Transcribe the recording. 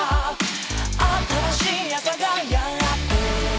「新しい朝がやってくる」